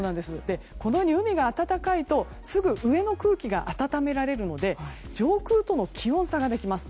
このように海が温かいとすぐ上の空気が温められるので上空との気温差ができます。